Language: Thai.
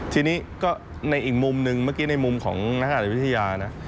ทีนี้ก็ในอีกมุมหนึ่งเมื่อกี้ในมุมของนักวิทยานะ